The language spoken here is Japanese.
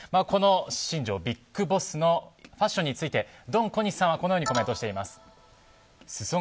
この新庄、ビッグボスのファッションについてドン小西さんはこのようにコメントしています。